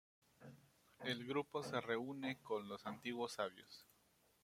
El grupo se reúne con los antiguos sabios.